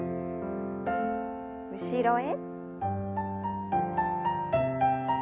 後ろへ。